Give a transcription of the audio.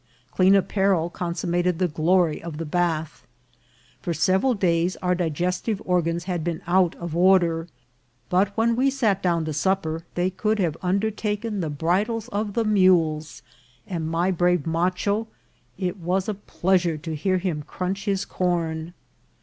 Clean apparel consummated the glory of the bath. For several days our digestive organs had been out of order, but when we sat down to supper they could have undertaken the bridles of the mules ; and my brave macho — it was a pleasure to hear him craunch his corn.